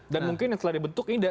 dan mungkin yang telah dibentuk ini